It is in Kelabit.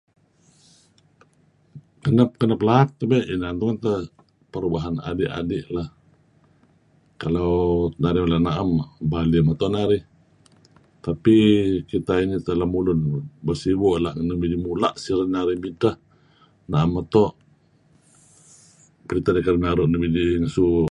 Kenep-kenep laak tebey' inan tungen teh perubahan adi'- adi' lah. Kalau narih mala na'em bali meto' narih tapi kita ini edteh lemulun bersibok lah. Nuk midih mula' siren narih midteh, na'em meto' peritah dih kereb naru' nuk midih dih negesu...